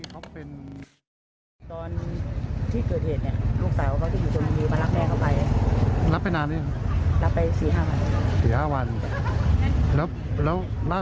คุณเป็นโรคประจำตัวหรือเป็นอะไร